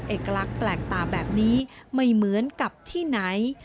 เอกลักษณ์แปลกตาแบบนี้ไม่เหมือนกับที่ไหน